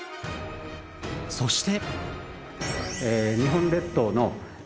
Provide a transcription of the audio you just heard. そして。